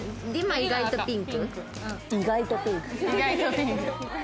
意外とピンク。